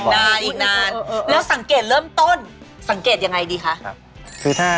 แล้วสังเกตเริ่มต้นสังเกตยังไงดีคะ